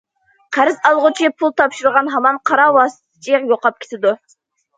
قەرز ئالغۇچى پۇل تاپشۇرغان ھامان« قارا ۋاسىتىچى» يوقاپ كېتىدۇ.